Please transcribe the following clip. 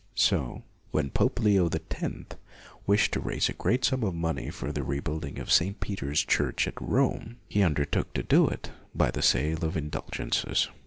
So when Pope Leo X wished to raise a great sum of money for the rebuilding of St. Peter's Church at Rome, he under took to do it by the sale of indulgences.